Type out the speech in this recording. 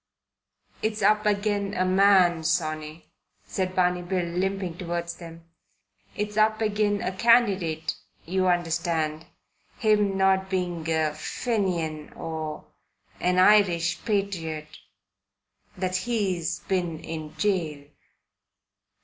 "It's up agin a man, sonny," said Barney Bill, limping towards them, "it's up agin a candidate, you understand, him not being a Fenian or a Irish patriot, that he's been in gaol.